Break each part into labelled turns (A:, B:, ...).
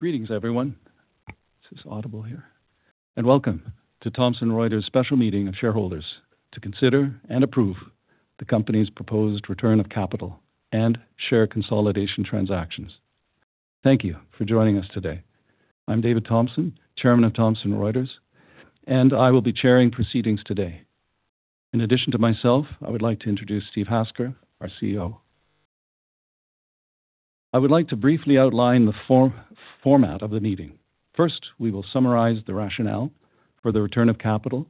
A: Greetings, everyone. Is this audible here? Welcome to Thomson Reuters special meeting of shareholders to consider and approve the company's proposed return of capital and share consolidation transactions. Thank you for joining us today. I'm David Thomson, Chairman of Thomson Reuters, and I will be chairing proceedings today. In addition to myself, I would like to introduce Steve Hasker, our CEO. I would like to briefly outline the form, format of the meeting. First, we will summarize the rationale for the return of capital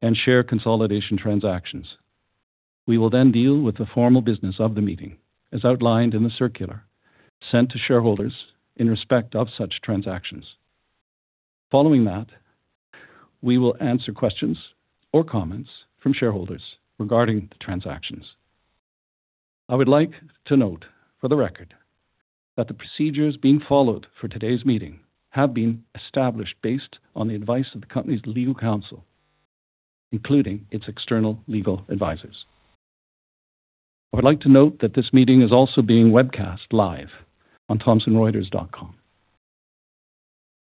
A: and share consolidation transactions. We will then deal with the formal business of the meeting as outlined in the circular sent to shareholders in respect of such transactions. Following that, we will answer questions or comments from shareholders regarding the transactions. I would like to note for the record that the procedures being followed for today's meeting have been established based on the advice of the company's legal counsel, including its external legal advisors. I would like to note that this meeting is also being webcast live on thomsonreuters.com.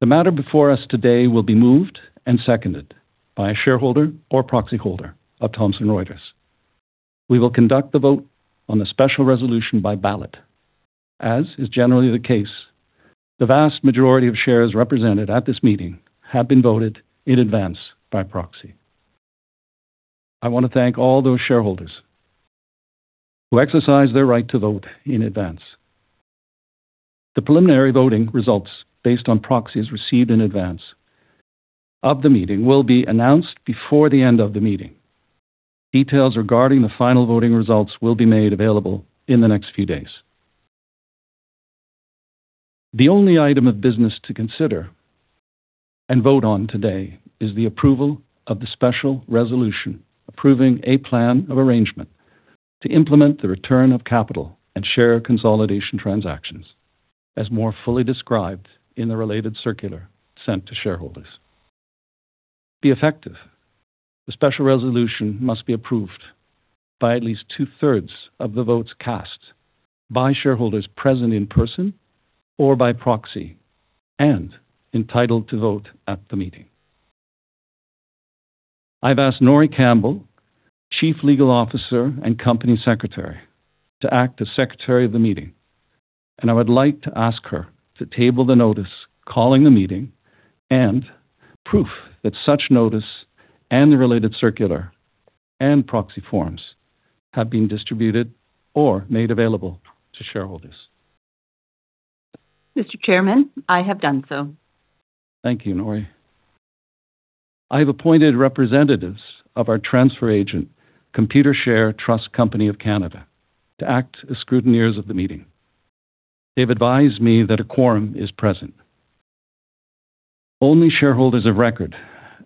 A: The matter before us today will be moved and seconded by a shareholder or proxy holder of Thomson Reuters. We will conduct the vote on the special resolution by ballot. As is generally the case, the vast majority of shares represented at this meeting have been voted in advance by proxy. I want to thank all those shareholders who exercised their right to vote in advance. The preliminary voting results based on proxies received in advance of the meeting will be announced before the end of the meeting. Details regarding the final voting results will be made available in the next few days. The only item of business to consider and vote on today is the approval of the special resolution approving a plan of arrangement to implement the return of capital and share consolidation transactions as more fully described in the related circular sent to shareholders. To be effective, the special resolution must be approved by at least two-thirds of the votes cast by shareholders present in person or by proxy and entitled to vote at the meeting. I've asked Norie Campbell, Chief Legal Officer and Company Secretary, to act as secretary of the meeting, and I would like to ask her to table the notice calling the meeting and proof that such notice and the related circular and proxy forms have been distributed or made available to shareholders.
B: Mr. Chairman, I have done so.
A: Thank you, Norie. I have appointed representatives of our transfer agent, Computershare Trust Company of Canada, to act as scrutineers of the meeting. They've advised me that a quorum is present. Only shareholders of record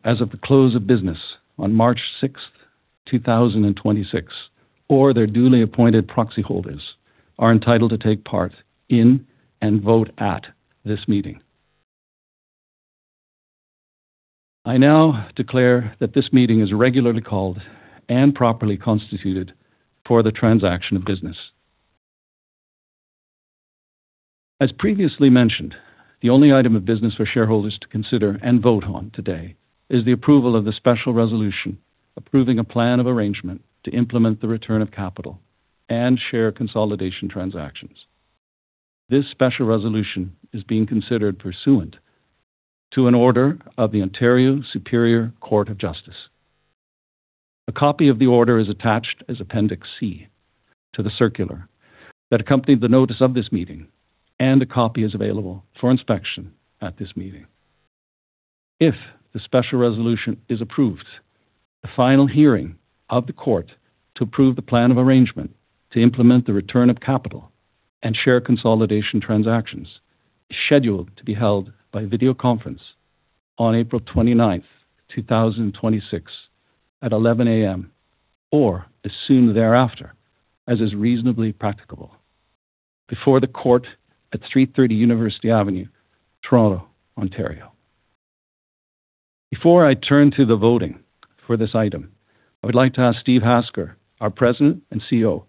A: as of the close of business on March 6, 2026, or their duly appointed proxy holders are entitled to take part in and vote at this meeting. I now declare that this meeting is regularly called and properly constituted for the transaction of business. As previously mentioned, the only item of business for shareholders to consider and vote on today is the approval of the special resolution approving a plan of arrangement to implement the return of capital and share consolidation transactions. This special resolution is being considered pursuant to an order of the Ontario Superior Court of Justice. A copy of the order is attached as Appendix C to the circular that accompanied the notice of this meeting, and a copy is available for inspection at this meeting. If the special resolution is approved, the final hearing of the court to approve the plan of arrangement to implement the return of capital and share consolidation transactions is scheduled to be held by video conference on April 29th, 2026, at 11:00 A.M. or as soon thereafter as is reasonably practicable before the court at 330 University Avenue, Toronto, Ontario. Before I turn to the voting for this item, I would like to ask Steve Hasker, our President and CEO,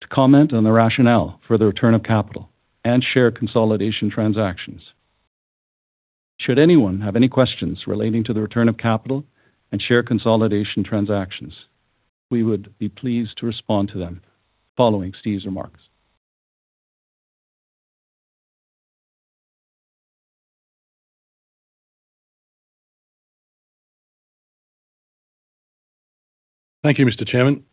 A: to comment on the rationale for the return of capital and share consolidation transactions. Should anyone have any questions relating to the return of capital and share consolidation transactions, we would be pleased to respond to them following Steve's remarks.
C: Thank you, Mr. Chairman.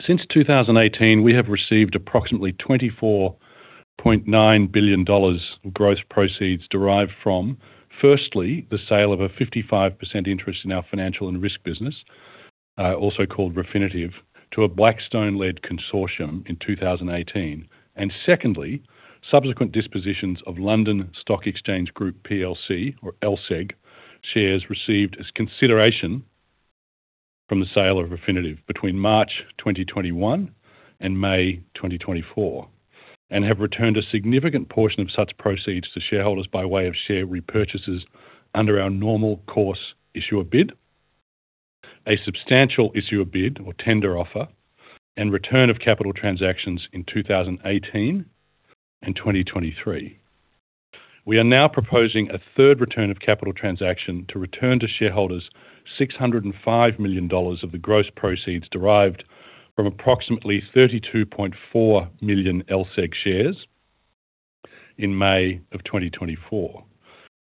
C: Since 2018, we have received approximately $24.9 billion gross proceeds derived from, firstly, the sale of a 55% interest in our financial and risk business, also called Refinitiv, to a Blackstone-led consortium in 2018. Secondly, subsequent dispositions of London Stock Exchange Group PLC, or LSEG, shares received as consideration from the sale of Refinitiv between March 2021 and May 2024 and have returned a significant portion of such proceeds to shareholders by way of share repurchases under our normal course issuer bid, a substantial issuer bid or tender offer, and return of capital transactions in 2018 and 2023. We are now proposing a third return of capital transaction to return to shareholders 605 million dollars of the gross proceeds derived from approximately 32.4 million LSEG shares in May of 2024.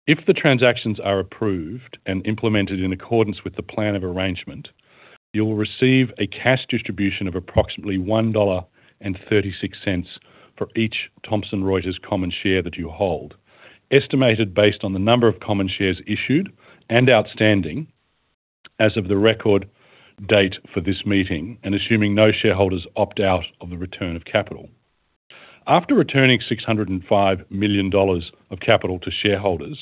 C: If the transactions are approved and implemented in accordance with the plan of arrangement, you will receive a cash distribution of approximately 1.36 dollar for each Thomson Reuters common share that you hold, estimated based on the number of common shares issued and outstanding as of the record date for this meeting, and assuming no shareholders opt out of the return of capital. After returning 605 million dollars of capital to shareholders,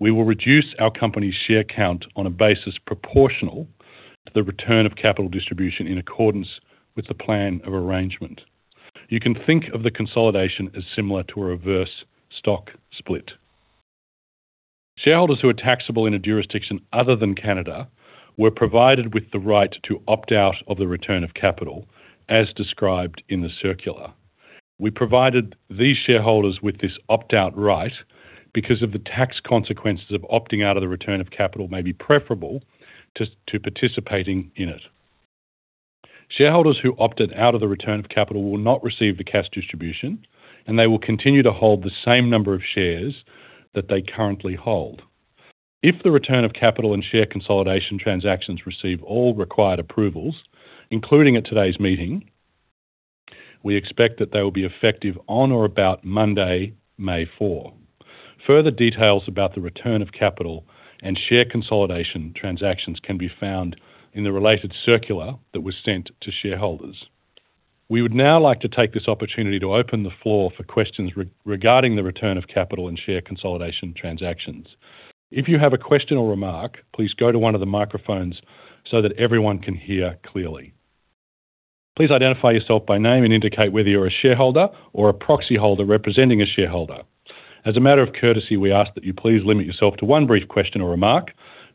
C: we will reduce our company's share count on a basis proportional to the return of capital distribution in accordance with the plan of arrangement. You can think of the share consolidation as similar to a reverse stock split. Shareholders who are taxable in a jurisdiction other than Canada were provided with the right to opt out of the return of capital, as described in the circular. We provided these shareholders with this opt-out right because of the tax consequences of opting out of the return of capital may be preferable to participating in it. Shareholders who opted out of the return of capital will not receive the cash distribution, and they will continue to hold the same number of shares that they currently hold. If the return of capital and share consolidation transactions receive all required approvals, including at today's meeting, we expect that they will be effective on or about Monday, May 4. Further details about the return of capital and share consolidation transactions can be found in the related circular that was sent to shareholders. We would now like to take this opportunity to open the floor for questions regarding the return of capital and share consolidation transactions. If you have a question or remark, please go to one of the microphones so that everyone can hear clearly. Please identify yourself by name and indicate whether you're a shareholder or a proxyholder representing a shareholder. As a matter of courtesy, we ask that you please limit yourself to one brief question or remark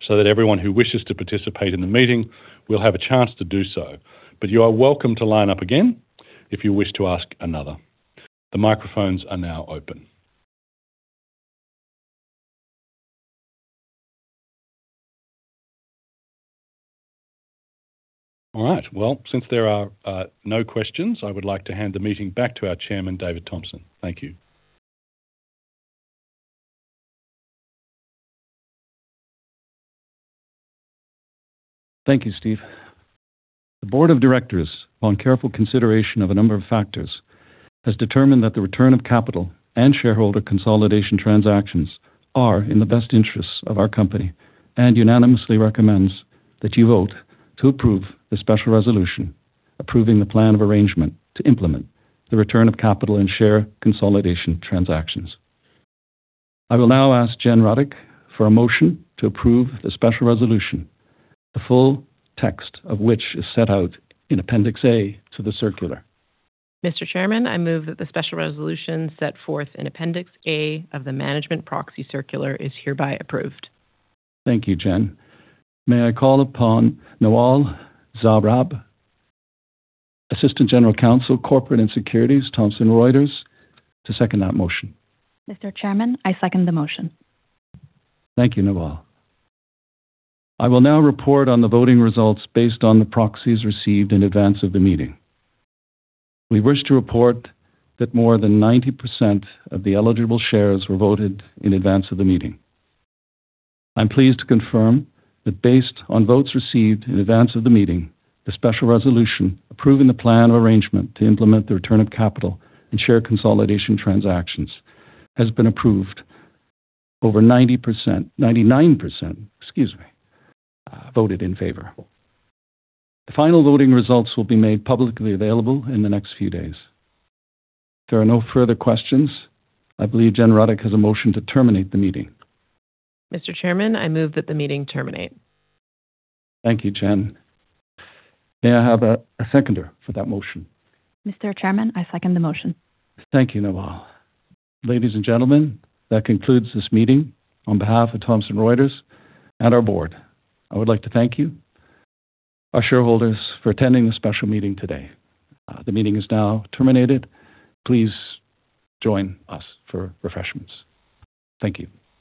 C: so that everyone who wishes to participate in the meeting will have a chance to do so. You are welcome to line up again if you wish to ask another. The microphones are now open. All right. Well, since there are no questions, I would like to hand the meeting back to our Chairman, David Thomson. Thank you.
A: Thank you, Steve. The board of directors, on careful consideration of a number of factors, has determined that the return of capital and share consolidation transactions are in the best interests of our company and unanimously recommends that you vote to approve the special resolution approving the plan of arrangement to implement the return of capital and share consolidation transactions. I will now ask Jen Ruddick for a motion to approve the special resolution, the full text of which is set out in Appendix A to the circular.
D: Mr. Chairman, I move that the special resolution set forth in Appendix A of the management proxy circular is hereby approved.
A: Thank you, Jen. May I call upon Nawal Zaarab, Assistant General Counsel, Corporate and Securities, Thomson Reuters, to second that motion.
E: Mr. Chairman, I second the motion. Thank you, Nawal.
A: I will now report on the voting results based on the proxies received in advance of the meeting. We wish to report that more than 90% of the eligible shares were voted in advance of the meeting. I'm pleased to confirm that based on votes received in advance of the meeting, the special resolution approving the plan of arrangement to implement the return of capital and share consolidation transactions has been approved. Over 99%, excuse me, voted in favor. The final voting results will be made publicly available in the next few days. If there are no further questions, I believe Jen Ruddick has a motion to terminate the meeting.
D: Mr. Chairman, I move that the meeting terminate.
A: Thank you, Jen. May I have a seconder for that motion?
E: Mr. Chairman, I second the motion. Thank you, Nawal.
A: Ladies and gentlemen, that concludes this meeting. On behalf of Thomson Reuters and our board, I would like to thank you, our shareholders, for attending this special meeting today. The meeting is now terminated. Please join us for refreshments. Thank you.